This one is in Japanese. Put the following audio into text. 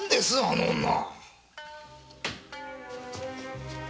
あの女？